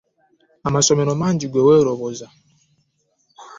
Amasomero malungi ggwe weeroboza.